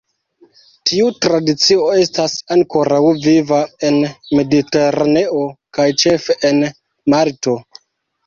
Tiu tradicio estas ankoraŭ viva en Mediteraneo, kaj ĉefe en Malto.